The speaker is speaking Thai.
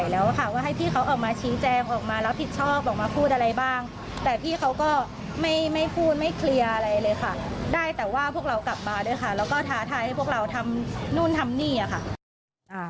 แล้วก็ท้าทายให้พวกเราทำนู่นทำนี่ค่ะ